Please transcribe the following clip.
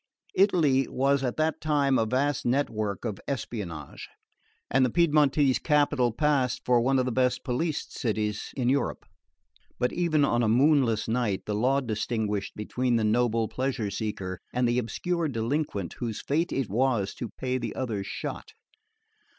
Italy was at that time a vast network of espionage, and the Piedmontese capital passed for one of the best policed cities in Europe; but even on a moonless night the law distinguished between the noble pleasure seeker and the obscure delinquent whose fate it was to pay the other's shot.